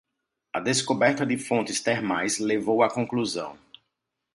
A descoberta de fontes termais levou à conclusão